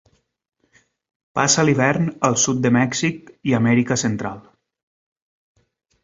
Passa l'hivern al sud de Mèxic i Amèrica Central.